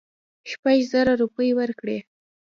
شپږزره روپۍ ورکړې.